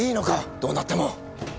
どうなっても！